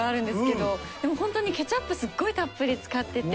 でもホントにケチャップすっごいたっぷり使ってて。